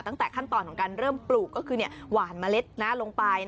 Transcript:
ตั้งแต่ขั้นตอนของการเริ่มปลูกก็คือหวานเมล็ดลงไป